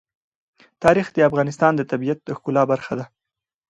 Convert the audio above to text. تاریخ د افغانستان د طبیعت د ښکلا برخه ده.